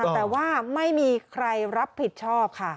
แต่ว่าไม่มีใครรับผิดชอบค่ะ